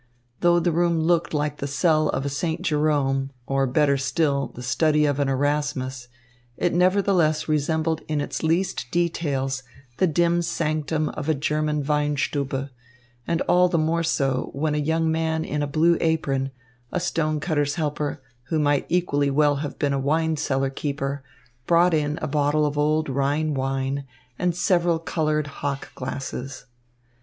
Though the room looked like the cell of a St. Jerome, or, better still, the study of an Erasmus, it nevertheless resembled in its least details the dim sanctum of a German Weinstube, and all the more so when a young man in a blue apron, a stone cutter's helper, who might equally well have been a wine cellar keeper, brought in a bottle of old Rhine wine and several coloured hock glasses.